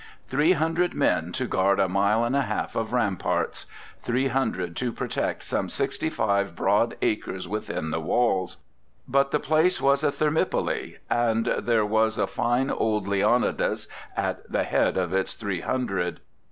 Three hundred men to guard a mile and a half of ramparts! Three hundred to protect some sixty five broad acres within the walls! But the place was a Thermopylae, and there was a fine old Leonidas at the head of its three hundred.